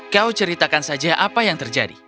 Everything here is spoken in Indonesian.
kau ceritakan saja apa yang terjadi